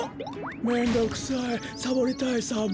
めんどくさいサボりたいサボ。